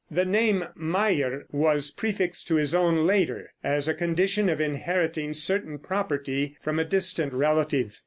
The name Meyer was prefixed to his own later, as a condition of inheriting certain property from a distant relative.